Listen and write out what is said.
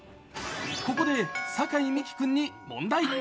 ここで、酒井美紀君に問題。